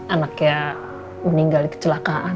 menyebab anaknya meninggal kecelakaan